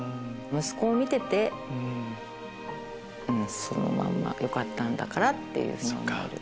息子を見ててもうそのまんまよかったんだからって思える。